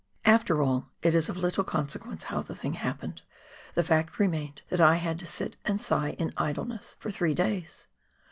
After all, it is of little consequence how the thing happened, the fact remained that I had to " sit and sigh in idleness " for three days.